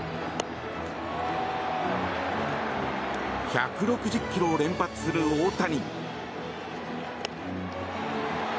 １６０キロを連発する大谷。